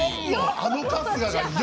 あの春日が４？